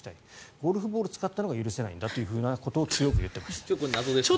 ゴルフボールを使ったのが許せないんだということをこれ、謎でしたね。